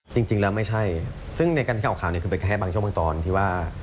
จริงแล้วไม่ใช่ซึ่งในการที่ออกข่าวเนี่ยคือเป็นแค่บางช่วงบางตอนที่ว่า